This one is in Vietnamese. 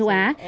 của châu á